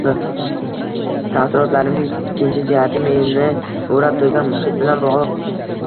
Taassurotlarimning ikkinchi jihati meni oʻrab turgan muhit bilan bogʻliq.